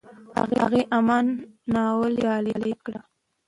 هغې "اِما" ناول ډالۍ کړ.